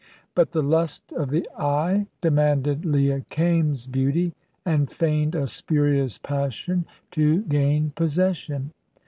But the lust of the eye demanded Leah Kaimes' beauty, and feigned a spurious passion to gain possession.